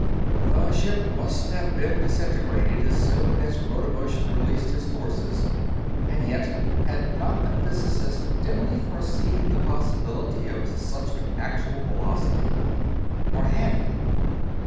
The ship must have been disintegrated as soon as Rodebush released his forces. And yet, had not the physicist dimly foreseen the possibility of such an actual velocity or had he?